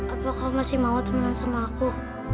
apa kau masih mau temenan sama aku